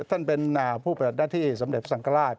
ท่านเป็นผู้ปฏิบัติหน้าที่สมเด็จสังกราช